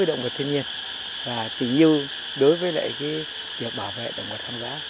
động vật thiên nhiên và tỉ nhiêu đối với lại việc bảo vệ động vật hoang dã